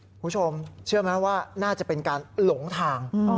คุณผู้ชมเชื่อไหมว่าน่าจะเป็นการหลงทาง